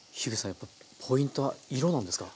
やっぱりポイントは色なんですか？